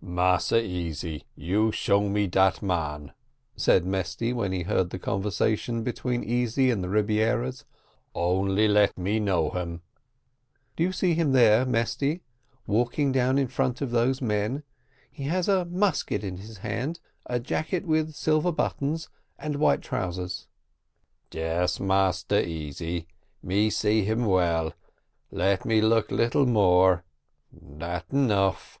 "Massa Easy, you show me dat man?" said Mesty, when he heard the conversation between Easy and the Rebieras; "only let me know him." "Do you see him there, Mesty, walking down in front of those men? he has a musket in his hand, a jacket with silver buttons, and white trousers." "Yes, Massa Easy, me see him well let me look little more dat enough."